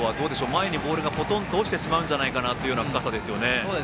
前にボールがポトンと落ちてしまうんじゃないかという深さですよね。